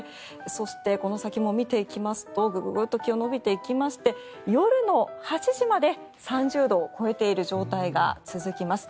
そして、この先も見ていきますとグググッと気温が伸びていって夜の８時まで３０度を超えている状態が続きます。